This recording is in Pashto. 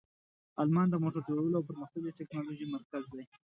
آلمان د موټر جوړولو او پرمختللې تکنالوژۍ مرکز دی.